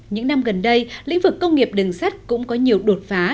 những năm gần đây lĩnh vực công nghiệp đường sắt cũng có nhiều đột phá